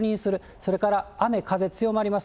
それから雨風強まります。